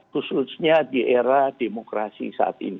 khususnya di era demokrasi saat ini